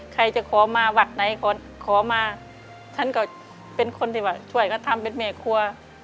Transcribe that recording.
ใครจะขอมาวัดไหนขอมาฉันก็เป็นคนที่ว่าช่วยก็ทำเป็นแม่ครัว